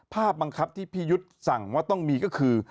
บังคับที่พี่ยุทธ์สั่งว่าต้องมีก็คือ